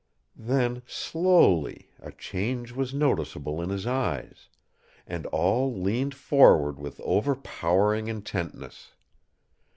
Then slowly a change was noticeable in his eyes, and all leaned forward with overpowering intentness.